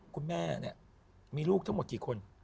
คุณแม่มีลูกทั้งหมดกี่คน